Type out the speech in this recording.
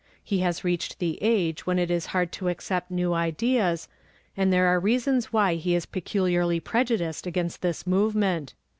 He has reached the age when it is hard to accept new ideas, and there are reasons why he is peculiarly prejudiced against this movement.